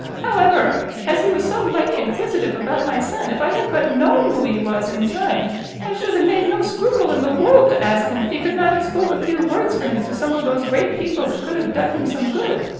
However, as he was so mighty inquisitive about my son, if I had but known who he was in time, I should have made no scruple in the world to ask him if he could not have spoke a few words for him to some of those great people that could have done him some good.